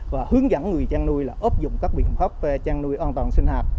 và hướng dẫn người chăn nuôi là ốp dụng các biện pháp chăn nuôi an toàn sinh hạt